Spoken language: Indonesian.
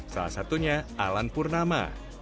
salah satunya alan purnama